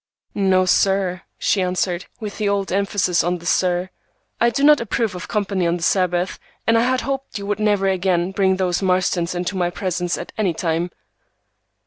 "No, sir," she answered, with the old emphasis on the "sir." "I do not approve of company on the Sabbath, and I had hoped you would never again bring those Marstons into my presence at any time."